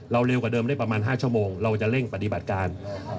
เร็วกว่าเดิมได้ประมาณ๕ชั่วโมงเราจะเร่งปฏิบัติการ